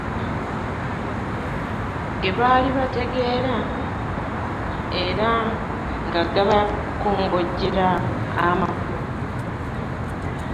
Ge baali bategeera era nga gabakongojjera amakulu.